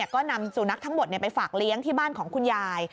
ก็นำสุนัขทั้งหมดไปฝากเลี้ยงที่บ้านของคุณยาย